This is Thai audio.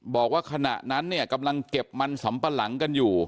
บอกว่าขณะนั้นเนี่ยกำลังเก็บมันสำปะหลังกันอยู่